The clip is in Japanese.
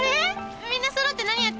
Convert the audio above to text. みんなそろって何やってんの？